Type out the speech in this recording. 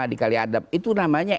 di kaliadap itu namanya